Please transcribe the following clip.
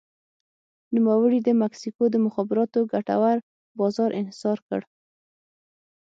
نوموړي د مکسیکو د مخابراتو ګټور بازار انحصار کړ.